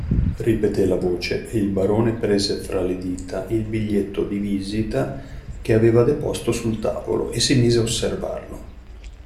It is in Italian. Ripeté la voce e il barone prese fra le dita il biglietto di visita che aveva deposto sul tavolo e si mise a osservarlo.